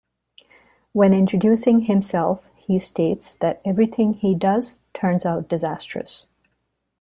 When introducing himself, he states that everything he does turns out disastrous.